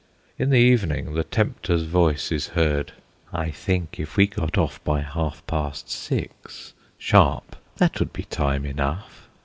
In the evening the Tempter's voice is heard: "I think if we got off by half past six, sharp, that would be time enough?"